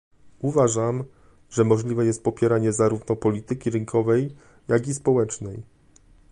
Uważam, że możliwe jest popieranie zarówno polityki rynkowej, jak i społecznej